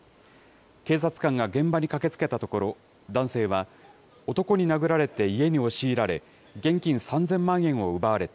警察官が現場に駆けつけたところ、男性は、男に殴られて家に押し入られ、現金３０００万円を奪われた。